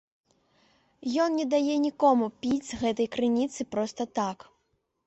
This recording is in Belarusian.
Ён не дае нікому піць з гэтай крыніцы проста так.